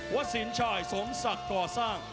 สินชายสมศักดิ์ก่อสร้าง